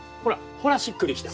ほらしっくりした。